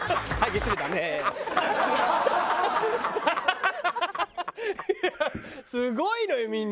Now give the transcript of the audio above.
すごいのよみんな。